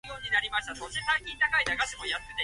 いつの間にか朝になってたり